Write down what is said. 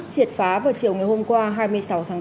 triệt phá vào chiều ngày hôm qua hai mươi sáu tháng bốn